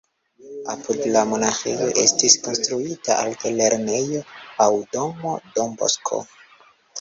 Apud la monaĥejo estis konstruita altlernejo aŭ domo Don Bosco.